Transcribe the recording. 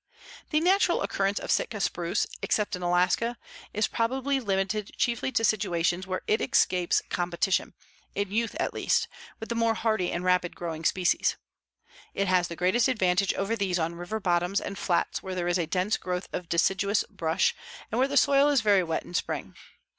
The natural occurrence of Sitka spruce, except in Alaska, is probably limited chiefly to situations where it escapes competition, in youth at least, with the more hardy and rapid growing species. It has the greatest advantage over these on river bottoms and flats where there is a dense growth of deciduous brush and where the soil is very wet in spring.